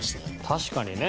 確かにね。